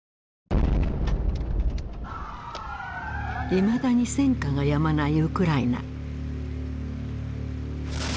いまだに戦火がやまないウクライナ。